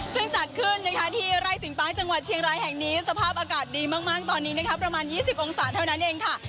ซึ่งจัดขึ้นนะคะที่ไร่สิงฟ้าจังหวัดเชียงรายแห่งนี้สภาพอากาศดีมากตอนนี้นะคะประมาณ๒๐องศาเท่านั้นเองค่ะ